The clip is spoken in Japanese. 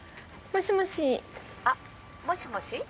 もしもし？